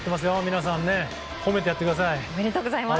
皆さん褒めてやってください。